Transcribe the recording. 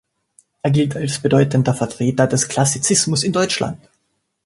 Er gilt als bedeutender Vertreter des Klassizismus in Deutschland.